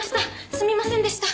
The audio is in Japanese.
すみませんでした。